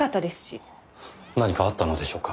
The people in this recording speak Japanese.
何かあったのでしょうか？